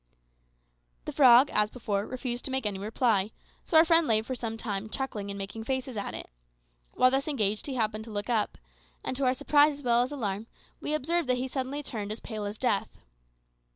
The frog, as before, refused to make any reply; so our friend lay for some time chuckling and making faces at it. While thus engaged he happened to look up, and to our surprise as well as alarm we observed that he suddenly turned as pale as death.